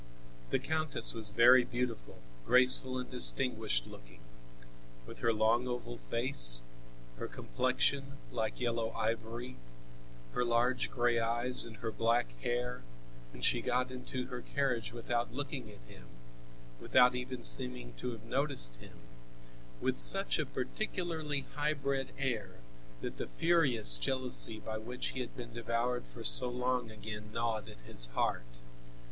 The countess was very beautiful, graceful and distinguished looking, with her long oval face, her complexion like yellow ivory, her large gray eyes and her black hair; and she got into her carriage without looking at him, without even seeming to have noticed him, with such a particularly high bred air, that the furious jealousy by which he had been devoured for so long again gnawed at his heart.